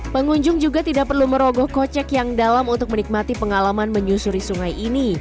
pengunjung juga tidak perlu merogoh kocek yang dalam untuk menikmati pengalaman menyusuri sungai ini